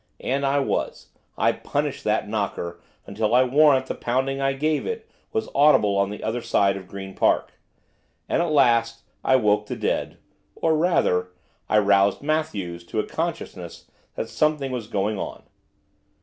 And I was, I punished that knocker! until I warrant the pounding I gave it was audible on the other side of Green Park. And, at last, I woke the dead, or, rather, I roused Matthews to a consciousness that something was going on.